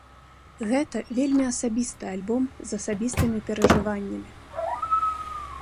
Гэта вельмі асабісты альбом з асабістымі перажываннямі.